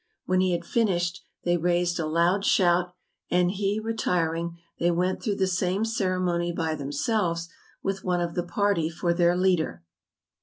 When he had finished, they raised a loud shout, and he retiring, they went through the same ceremony by themselves with one of the party for their leader.